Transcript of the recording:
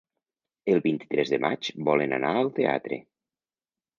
El vint-i-tres de maig volen anar al teatre.